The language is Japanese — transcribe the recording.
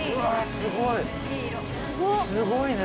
すごいね。